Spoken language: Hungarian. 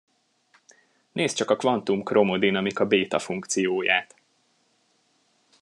Nézd csak a kvantum chromodinamika bétafunkcióját.